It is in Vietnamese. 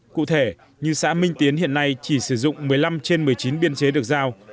cụ thể như xã minh tiến hiện nay chỉ sử dụng một mươi năm trên một mươi chín biên chế được giao